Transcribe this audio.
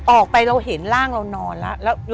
ออกไปเราเห็นร่างเรานอนแล้ว